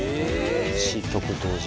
詞曲同時。